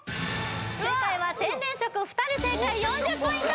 正解は「天然色」２人正解４０ポイント